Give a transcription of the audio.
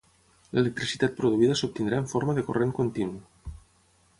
L'electricitat produïda s'obtindrà en forma de corrent continu